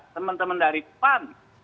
teman teman dari pan